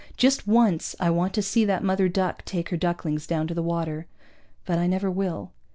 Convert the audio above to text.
Just once I want to see that mother duck take her ducklings down to the water. But I never will.